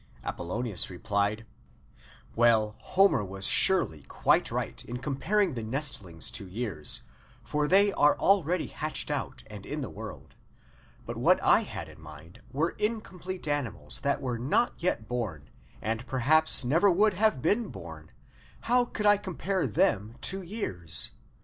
" Well," replied Apollonius, " Homer was surely quite right in com paring the nestlings to years, for they are already hatched out and in the world; but what 1 had in mind were incomplete animals that were not yet born, and perhaps never would have been born : how could I compare them to years?